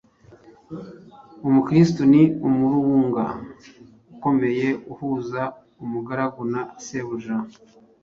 Ubukristo ni umurunga ukomeye uhuza umugaragu na shebuja,